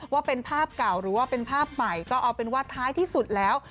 ว่าเป็นภาพเก่าหรือว่าเป็นภาพใหม่ก็เอาเป็นว่าท้ายที่สุดแล้ว